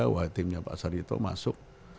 wah timnya pak sarito masuk